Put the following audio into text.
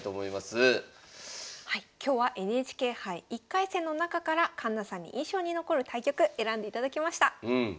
今日はＮＨＫ杯１回戦の中から環那さんに印象に残る対局選んでいただきました。